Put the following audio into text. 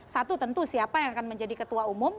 satu tentu siapa yang akan menjadi ketua umum